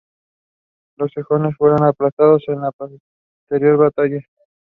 It was her view that actors of any age are always required.